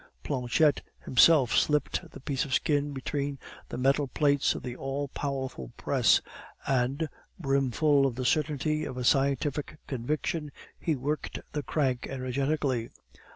Planchette himself slipped the piece of skin between the metal plates of the all powerful press; and, brimful of the certainty of a scientific conviction, he worked the crank energetically.